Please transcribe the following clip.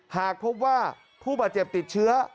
หากพบว่าผู้บาดเจ็บติดเชื้อ